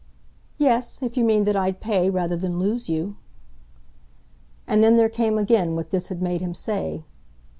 "Yes, if you mean that I'd pay rather than lose you." And then there came again what this had made him say.